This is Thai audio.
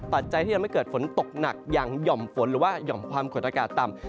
ปัจจัยที่ทำให้เกิดฝนตกหนักอย่างหย่อมฝนหรือว่าห่อมความกดอากาศต่ำ